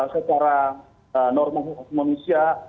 secara normal untuk manusia